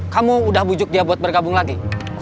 kamu udah bujuk dia buat bergabung lagi